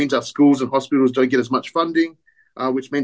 ini berarti sekolah dan hospital kita tidak mendapatkan banyak pendapatan